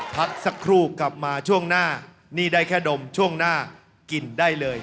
พักสักครู่กลับมาช่วงหน้านี่ได้แค่ดมช่วงหน้ากินได้เลย